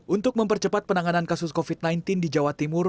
untuk mempercepat penanganan kasus covid sembilan belas di jawa timur